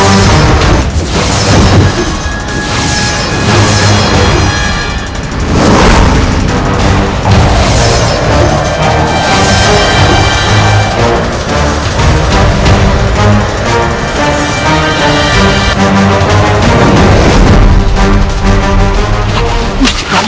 untuk kesembuhan istriku